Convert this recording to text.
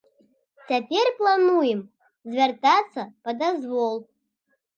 Цяпер плануем звяртацца па дазвол.